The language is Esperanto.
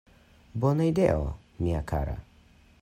Bona ideo, mia kara!